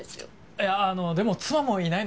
いやでも妻もいないので。